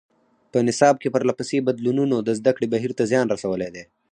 په نصاب کې پرله پسې بدلونونو د زده کړې بهیر ته زیان رسولی دی.